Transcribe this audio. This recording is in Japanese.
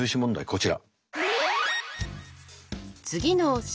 こちら。